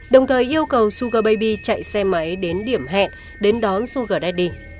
đồng thời yêu cầu sugar baby chạy xe máy đến điểm hẹn đến đón sugar daddy